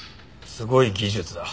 すごい技術だ。